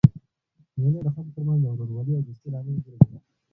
مېلې د خلکو ترمنځ د ورورولۍ او دوستۍ لامل ګرځي.